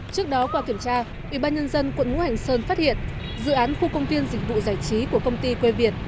trước đó qua kiểm tra ủy ban nhân dân tp hành sơn phát hiện dự án khu công viên dịch vụ giải trí của công ty quê việt